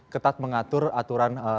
ketat mengatur aturan